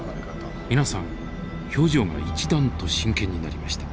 皆さん表情が一段と真剣になりました。